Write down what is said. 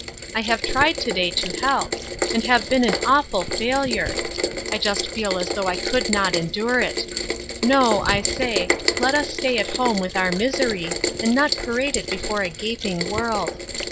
"I have tried to day to help, and have been an awful failure. I just feel as though I could not endure it. No, I say, let us stay at home with our misery, and not parade it before a gaping world.